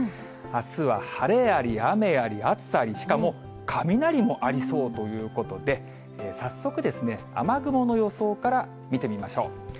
あすは晴れあり、雨あり暑さあり、しかも雷もありそうということで、早速、雨雲の予想から見てみましょう。